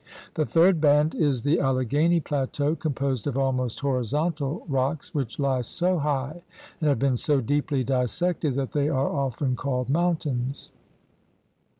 The third band is the Alleghany plateau, composed of almost horizontal rocks which lie so high and have been so deeply dissected that they are often called mountains.